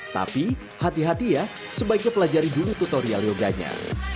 tapi hati hati ya sebaiknya pelajari dulu tutorial yoganya